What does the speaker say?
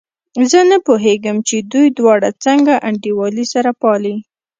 زه نه پوهېږم چې دوی دواړه څنګه انډيوالي سره پالي.